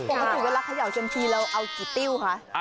ถูกเวลาเขย่าเซียมซีแล้วเอากี่ติวคะ